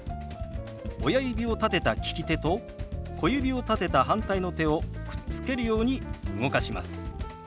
親指を立てた利き手と小指を立てた反対の手をくっつけるように動かします。